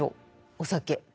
お酒。